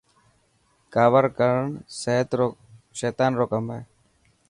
ڪاوڙ ڪرڻ سيطن رو ڪم هي.